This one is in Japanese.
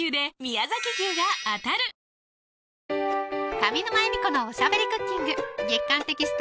上沼恵美子のおしゃべりクッキング月刊テキスト